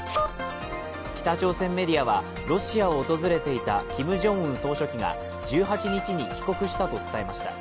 北朝鮮メディアは、ロシアを訪れていたキム・ジョンウン総書記が１８日に帰国したと伝えました。